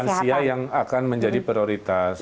dan lansia yang akan menjadi prioritas